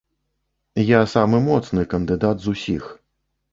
Я самы моцны кандыдат з усіх.